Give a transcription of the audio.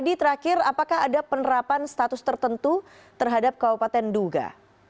jadi terakhir apakah ada penerapan status tertentu terhadap kabupaten duga